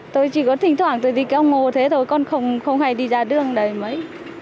tôi chỉ có thỉnh thoảng tôi đi kéo ngô thế thôi con không hay đi ra đường đấy mấy